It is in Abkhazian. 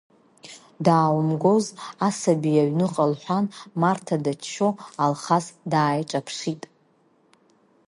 Дааумгоз асаби аҩныҟа, — лҳәан Марҭа дыччо Алхас дааиҿаԥшит.